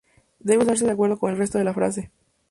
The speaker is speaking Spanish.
debe usarse de acuerdo con el resto de la frase